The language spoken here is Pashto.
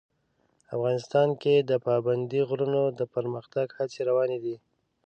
افغانستان کې د پابندي غرونو د پرمختګ هڅې روانې دي.